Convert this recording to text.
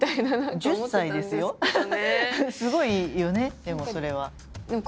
すごいよねでもそれは。